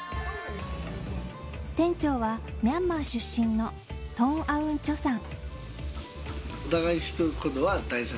店長はミャンマー出身のトン・アウン・チョさん。